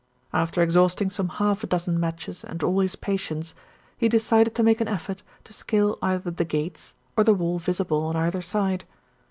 After exhausting some half a dozen matches and all his patience, he decided to make an effort to scale either the gates or the wall visible on either side.